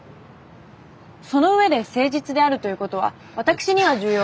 その上で誠実であるということは私には重要で。